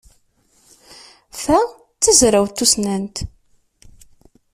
Ta d tazrawt tussnant.